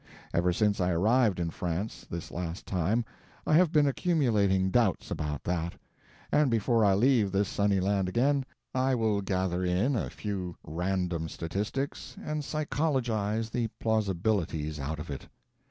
Ever since I arrived in France this last time I have been accumulating doubts about that; and before I leave this sunny land again I will gather in a few random statistics and psychologize the plausibilities out of it.